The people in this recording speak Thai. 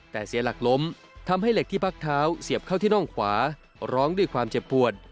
แต่เสียหลักล้มทำให้เหล็กที่พักเท้าเสียบเข้าที่น่องขวาร้องด้วยความเจ็บปวด